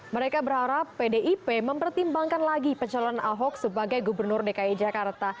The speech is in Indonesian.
mereka berharap pdip mempertimbangkan lagi pencalon ahok sebagai gubernur dki jakarta